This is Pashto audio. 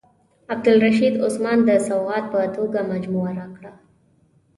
عبدالرشید عثمان د سوغات په توګه مجموعه راکړه.